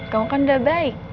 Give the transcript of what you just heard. kamu kan udah baik